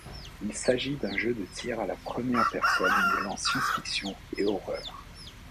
Il s'agit d'un jeu de tir à la première personne mêlant science-fiction et horreur.